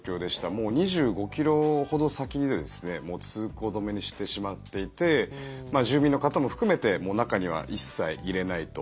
もう２５ｋｍほど先で通行止めにしてしまっていて住民の方も含めて中には一切入れないと。